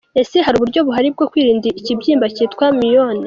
Ese hari uburyo buhari bwo kwirinda ikibyimba cyitwa Myome?.